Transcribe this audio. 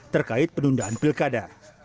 terkait penundaan pilkada